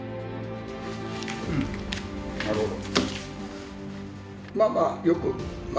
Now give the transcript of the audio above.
うんなるほど。